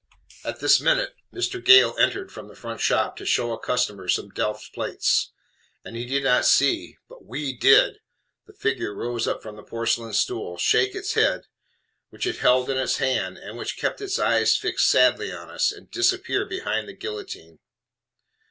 At this minute, Mr. Gale entered from the front shop to show a customer some Delft plates; and he did not see but WE DID the figure rise up from the porcelain stool, shake its head, which it held in its hand, and which kept its eyes fixed sadly on us, and disappear behind the guillotine.